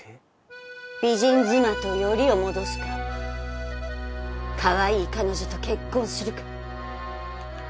美人妻とよりを戻すかかわいい彼女と結婚するか？